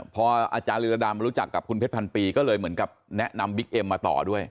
พออาจารย์ลีรดามารู้จักกับคุณเพชรพันปีก็เลยเหมือนกับแนะนำบิ๊กเอ็มมาต่อด้วย